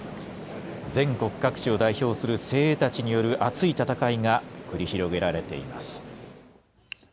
全国各地を代表する精鋭たちによる、熱い戦いが繰り広げられています。